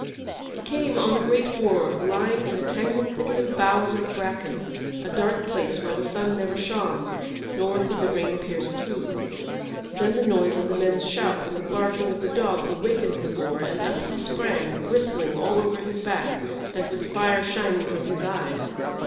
He came on a great boar lying in a tangled thicket of boughs and bracken, a dark place where the sun never shone, nor could the rain pierce through. Then the noise of the men's shouts and the barking of the dogs awakened the boar, and up he sprang, bristling all over his back, and with fire shining from his eyes.